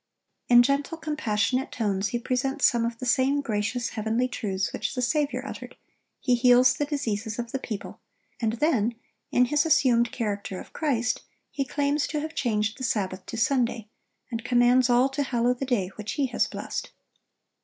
In gentle, compassionate tones he presents some of the same gracious, heavenly truths which the Saviour uttered; he heals the diseases of the people, and then, in his assumed character of Christ, he claims to have changed the Sabbath to Sunday, and commands all to hallow the day which he has blessed.